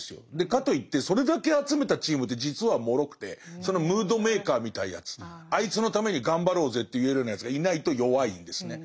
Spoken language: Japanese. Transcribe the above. かといってそれだけ集めたチームって実はもろくてそのムードメーカーみたいなやつあいつのために頑張ろうぜって言えるようなやつがいないと弱いんですね。